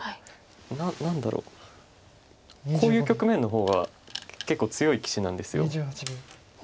何だろうこういう局面の方が結構強い棋士なんです。